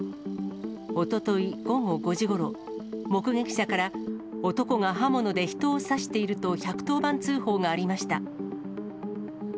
おととい午後５時ごろ、目撃者から、男が刃物で人を刺していると１１０番通報がありました。